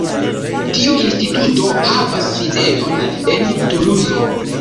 Tiu instituto havas sidejon en Tuluzo.